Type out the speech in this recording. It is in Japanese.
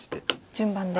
順番で。